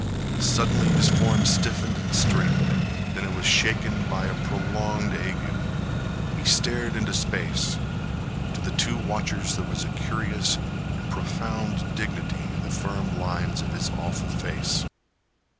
Suddenly his form stiffened and straightened. Then it was shaken by a prolonged ague. He stared into space. To the two watchers there was a curious and profound dignity in the firm lines of his awful face.